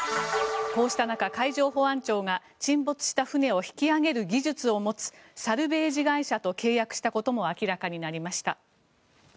こうした中海上保安庁が沈没した船を引き揚げる技術を持つサルベージ会社と契約したことも明らかになりました。